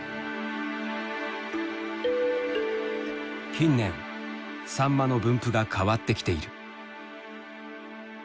近年サンマの分布が変わってきている。